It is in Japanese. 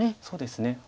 そうですね。